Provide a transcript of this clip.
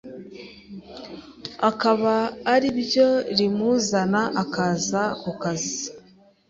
akaba ariryo rimuzana akaza ku kazi,